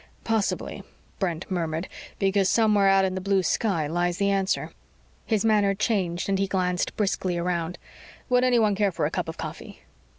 Possibly," Brent murmured, "because somewhere out in the blue sky lies the answer." His manner changed and he glanced briskly around. "Would anyone care for a cup of coffee?"